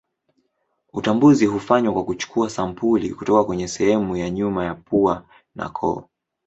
Utambuzi hufanywa kwa kuchukua sampuli kutoka kwa sehemu ya nyuma ya pua na koo.